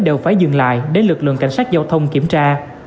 đều phải dừng lại để lực lượng cảnh sát giao thông kiểm tra